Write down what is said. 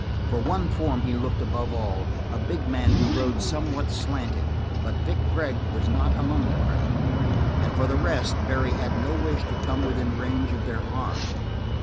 For one form he looked above all, a big man who rode somewhat slanting; but Vic Gregg was not among the crowd, and for the rest, Barry had no wish to come within range of their harm.